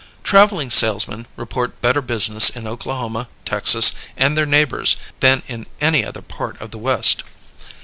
Traveling salesmen report better business in Oklahoma, Texas, and their neighbors than in any other part of the West.